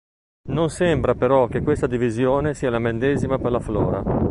Non sembra però che questa divisione sia la medesima per la flora.